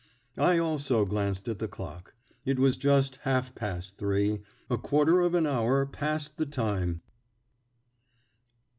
I also glanced at the clock. It was just half past three, a quarter of an hour past the time!